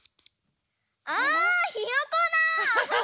あひよこだ！